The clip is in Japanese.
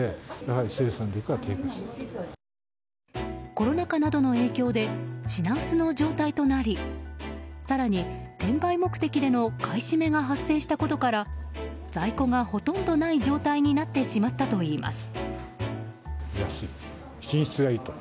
コロナ禍などの影響で品薄の状態となり更に、転売目的での買占めが発生したことから在庫がほとんどない状態になってしまったといいます。